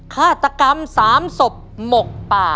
ฆาตกรรม๓ศพหมกป่า